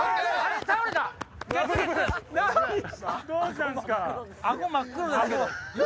どうしたんすか？